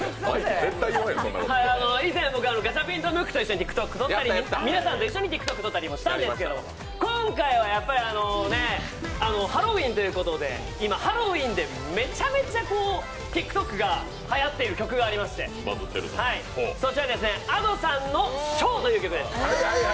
以前、僕、ガチャピンとムックとＴｉｋＴｏｋ撮ったり、皆さんと一緒にＴｉｋＴｏｋ撮ったりもしたんですけど、今回はハロウィーンということで今、ハロウィーンでめちゃめちゃ、ＴｉｋＴｏｋではやっている曲がありましてそちら、Ａｄｏさんの「唱」という曲です。